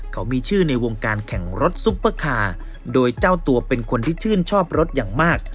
เขามีชื่อในวงการแข่งรถซุปเปอร์คาร์โดยเจ้าตัวเป็นคนที่ชื่นชอบรถอย่างมาก